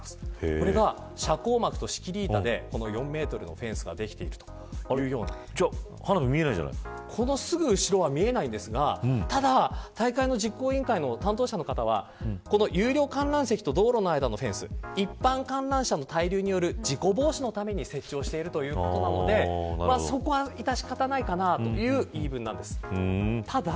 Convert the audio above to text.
これが遮光幕と仕切り板で４メートルのフェンスがじゃあこのすぐ後ろは見えませんがただ、大会の実行委員会の担当者の方は有料観覧席と道路の間のフェンスは一般観覧者の滞留による事故防止のために設置しているということでそこは致し方ないかなという言い分なんです。